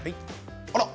あら！